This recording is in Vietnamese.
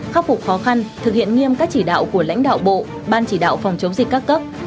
khắc phục khó khăn thực hiện nghiêm các chỉ đạo của lãnh đạo bộ ban chỉ đạo phòng chống dịch các cấp